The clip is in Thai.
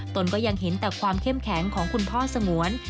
ตนก็ยังเห็นแต่ความเข้มแข็งของคุณพ่อสงวน